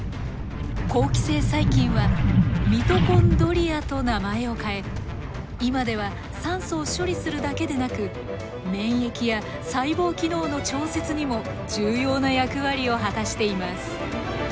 好気性細菌はミトコンドリアと名前を変え今では酸素を処理するだけでなく免疫や細胞機能の調節にも重要な役割を果たしています。